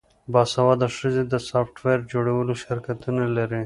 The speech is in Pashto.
باسواده ښځې د سافټویر جوړولو شرکتونه لري.